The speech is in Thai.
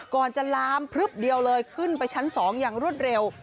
ก่อนจะลามพลึบเดียวเลยขึ้นไปชั้น๒อย่างรวดเร็ว